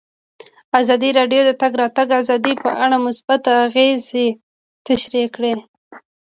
ازادي راډیو د د تګ راتګ ازادي په اړه مثبت اغېزې تشریح کړي.